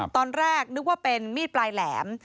ตอนแรกนึกว่าเป็นมีดปลายแหลม